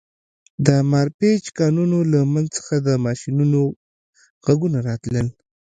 د مارپیچ کانونو له منځ څخه د ماشینونو غږونه راتلل